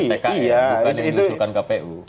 bukan yang diusulkan kpu